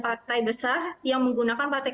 partai besar yang menggunakan partai